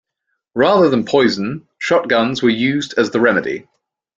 Rather than poison, shotguns were used as the remedy.